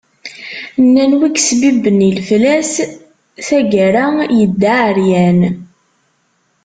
Nnan wi isebbeben i leflas, tagara yedda εeryan.